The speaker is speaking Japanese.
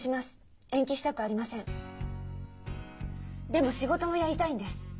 でも仕事もやりたいんです。